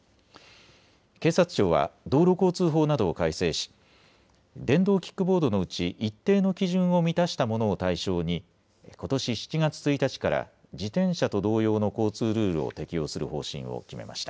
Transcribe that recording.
警察庁は道路交通法などを改正し電動キックボードのうち一定の基準を満たしたものを対象にことし７月１日から自転車と同様の交通ルールを適用する方針を決めました。